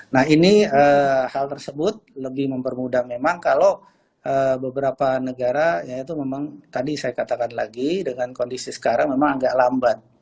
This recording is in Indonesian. nah ini hal tersebut lebih mempermudah memang kalau beberapa negara ya itu memang tadi saya katakan lagi dengan kondisi sekarang memang agak lambat